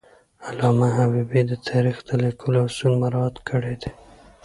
علامه حبیبي د تاریخ د لیکلو اصول مراعات کړي دي.